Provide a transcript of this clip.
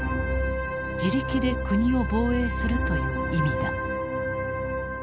自力で国を防衛するという意味だ。